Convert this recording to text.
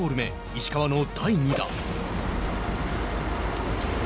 石川の第２打。